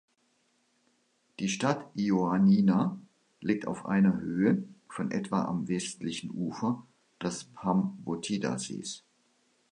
Die Stadt Ioannina liegt auf einer Höhe von etwa am westlichen Ufer des Pamvotida-Sees.